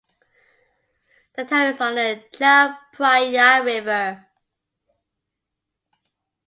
The town is on the Chao Phraya River.